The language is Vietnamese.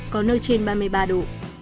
có nơi trên ba mươi ba độ